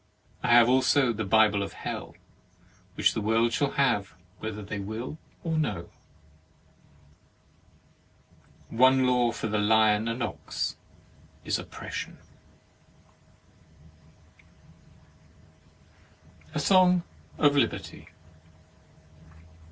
I have also the Bible of Hell, which the world shall have whether they will or no. One law for the lion and ox is Op pression. 42 HEAVEN AND HELL A SONG OF LIBERTY 1.